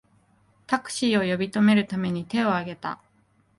タクシーを呼び止めるために手をあげた